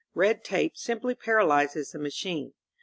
Red tape simply paralyzes the ma chine.